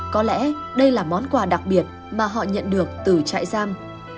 có lẽ đây là món quà đặc biệt mà họ nhận được từ trại giam